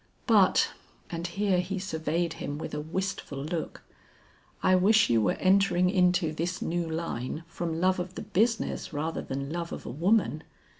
But " and here he surveyed him with a wistful look, "I wish you were entering into this new line from love of the business rather than love of a woman.